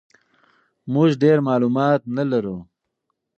موږ ډېر معلومات نه لرو.